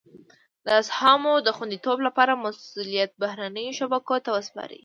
د اسهامو د خوندیتوب لپاره مسولیت بهرنیو شبکو ته سپاري.